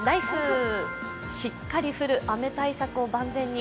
しっかり降る雨対策を万全に。